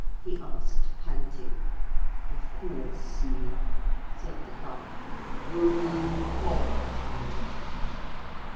he asked panting. 'Of course, silly,' said the Carp, 'only you can't get out.'